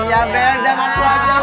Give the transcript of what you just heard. iya bel jangan aku aja